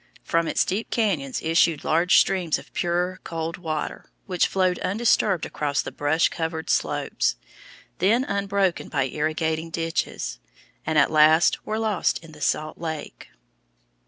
From its deep cañons issued large streams of pure, cold water, which flowed undisturbed across the brush covered slopes, then unbroken by irrigating ditches, and at last were lost in the salt lake.